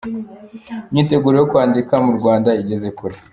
Imyiteguro yo kwandika mu Rwanda igeze kure